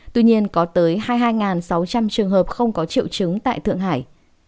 tuy nhiên có tới hai mươi hai sáu trăm linh trường hợp không có triệu chứng tại thượng hải